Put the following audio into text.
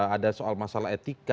ada soal masalah etika